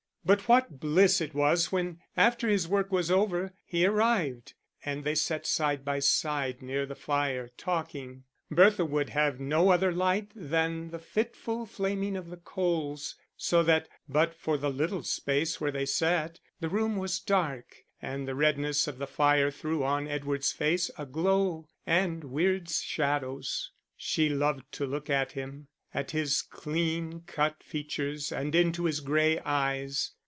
But what bliss it was when, after his work was over, he arrived, and they sat side by side near the fire, talking; Bertha would have no other light than the fitful flaming of the coals, so that, but for the little space where they sat, the room was dark, and the redness of the fire threw on Edward's face a glow and weird shadows. She loved to look at him, at his clean cut features, and into his grey eyes.